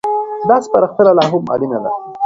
دا سپارښتنه لا هم اړينه ده.